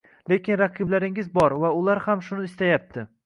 lekin raqiblaringiz bor va ular ham shuni istayapti